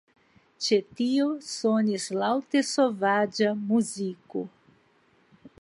Ĉe tio sonis laŭte sovaĝa muziko.